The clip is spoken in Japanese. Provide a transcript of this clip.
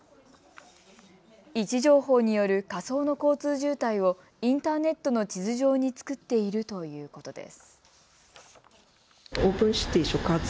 位置情報による仮想の交通渋滞をインターネットの地図上に作っているということです。